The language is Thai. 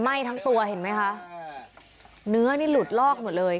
ไหม้ทั้งตัวเห็นไหมคะเนื้อนี่หลุดลอกหมดเลย